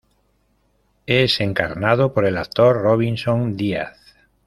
Es encarnado por el actor Robinson Díaz.